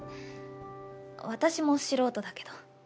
私も素人だけど。